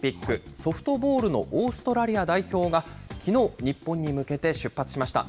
ソフトボールのオーストラリア代表が、きのう、日本に向けて出発しました。